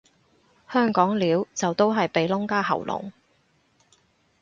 香港撩就都係鼻窿加喉嚨